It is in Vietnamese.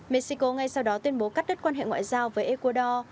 mexico ngay sau đó tuyên bố cắt đứt quan hệ ngoại giao với ecuador